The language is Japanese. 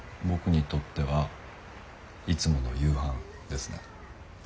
僕にとってはいつもの夕飯ですね。